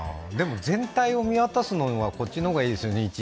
でも全体を見渡すのにはこちらの方がいいですよね。